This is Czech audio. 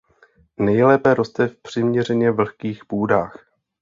Nejlépe roste v přiměřeně vlhkých půdách.